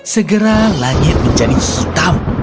segera langit menjadi hitam